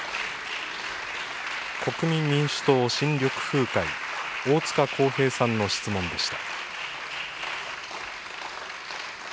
国民民主党・新緑風会、大塚耕平さんの質問でした。